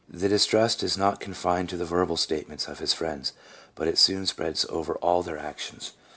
The distrust is not confined to the verbal statements of his friends, but it soon spreads over all their actions.